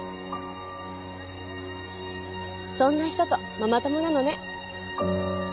そんな人とママ友なのね。